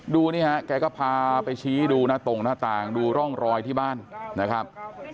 นี่ฮะแกก็พาไปชี้ดูหน้าตรงหน้าต่างดูร่องรอยที่บ้านนะครับ